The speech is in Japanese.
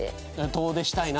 「遠出したいな」とか。